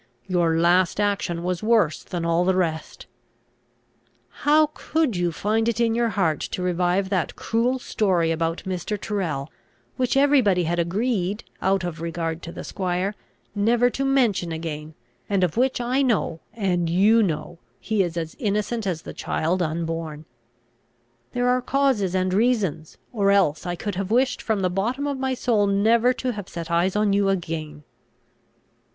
Your last action was worse than all the rest. How could you find in your heart to revive that cruel story about Mr. Tyrrel, which every body had agreed, out of regard to the squire, never to mention again, and of which I know, and you know, he is as innocent as the child unborn? There are causes and reasons, or else I could have wished from the bottom of my soul never to have set eyes on you again."